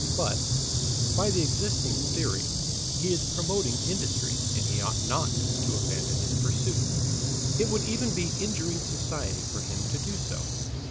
But by the existing theory he is promoting industry, and he ought not to abandon his pursuit. It would even be injuring society for him to do so.